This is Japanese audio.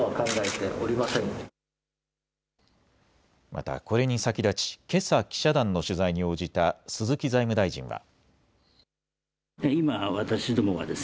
また、これに先立ちけさ記者団の取材に応じた鈴木財務大臣は。